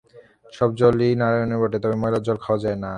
সব জলই নারায়াণ বটে, তবে ময়লা জল খাওয়া যায় না।